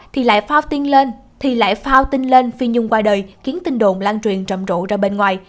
thì lại phao tin lên thì lại phao tin lên phi nhung qua đời khiến tin đồn lan truyền trầm rộ ra bên ngoài